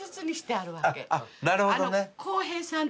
あっなるほどね。